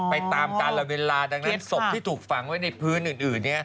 ไปตามการละเวลาดังนั้นศพที่ถูกฝังไว้ในพื้นอื่น